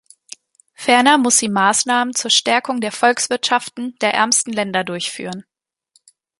Ferner muss sie Maßnahmen zur Stärkung der Volkswirtschaften der ärmsten Länder durchführen.